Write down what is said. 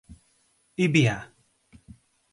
Ibiá